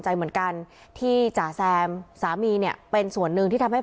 ใจเหมือนกันที่จ่าแซมสามีเนี่ยเป็นส่วนหนึ่งที่ทำให้